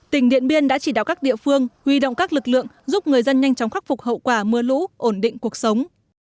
tỉnh điện biên đã chỉ đạo các địa phương huy động các lực lượng giúp người dân nhanh chóng khắc phục hậu quả mưa lũ ổn định cuộc sống